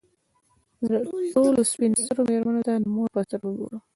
زه ټولو سپین سرو مېرمنو ته د مور په سترګو ګورم.